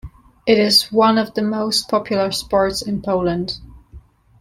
It is one of the most popular sports in Poland.